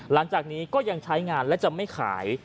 หลังจากนี้ก็ยังใช้งานและจะไม่ขาย